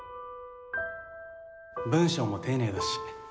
文章も丁寧だし